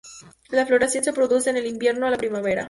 La floración se produce en el invierno a la primavera.